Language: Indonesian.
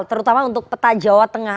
terutama untuk peta jawa tengah